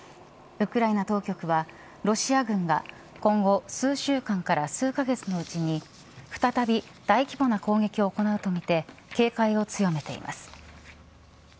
ウクライナ当局は、ロシア軍が今後、数週間から数カ月のうちに再び大規模な攻撃を行うとみて警戒を強めています。